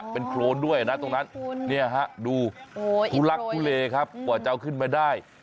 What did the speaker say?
เป็นโครนด้วยนะตรงนั้นเนี่ยฮะดูทุลักทุเลครับกว่าจะเอาขึ้นมาได้